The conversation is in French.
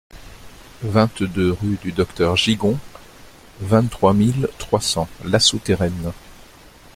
vingt-deux rue du Docteur Gigon, vingt-trois mille trois cents La Souterraine